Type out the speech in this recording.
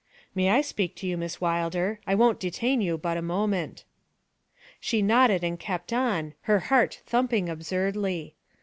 'May I speak to you, Miss Wilder? I won't detain you but a moment.' She nodded and kept on, her heart thumping absurdly.